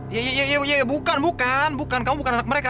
iya iya iya bukan bukan bukan kamu bukan anak mereka